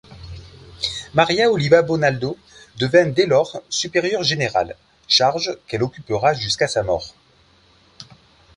Maria Oliva Bonaldo devient dès lors supérieure générale, charge qu'elle occupera jusqu'à sa mort.